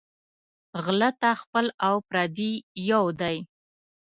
غله ته خپل او پردي یو دى